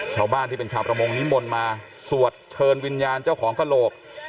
ชาวบ้านที่เป็นชาวประมงนิมนต์มาสวดเชิญวิญญาณเจ้าของกระโหลก